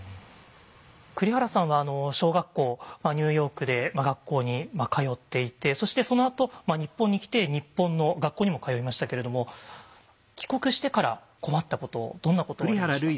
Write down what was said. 栗原さんは小学校ニューヨークで学校に通っていてそしてそのあと日本に来て日本の学校にも通いましたけれども帰国してから困ったことどんなことありました？